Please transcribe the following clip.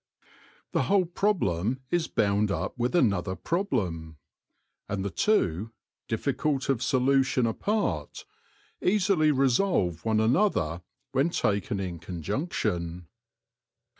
The whole problem is bound up with another problem ; and the two, difficult of solution apart, easily resolve one another when taken in conjunction.